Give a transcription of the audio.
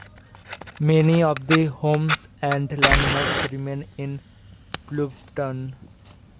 Many of the homes and landmarks remain in Bluffton.